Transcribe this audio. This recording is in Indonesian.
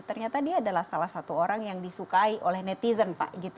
ternyata dia adalah salah satu orang yang disukai oleh netizen pak